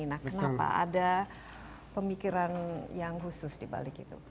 nah kenapa ada pemikiran yang khusus di balik itu